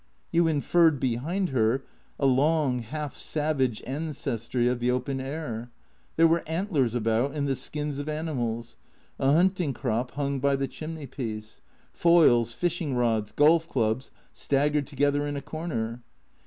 You in ferred behind her a long, half savage ancestry of the open air. There were antlers about and the skins of animals. A hunting crop hung by the chimney piece. Foils, fishing rods, golf clubs staggered together in a corner.